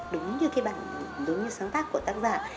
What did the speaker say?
đúng như cái bản giống như sáng tác của tác giả